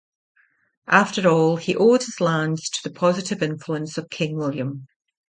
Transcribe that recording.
After all, he owed his lands to the positive influence of King William.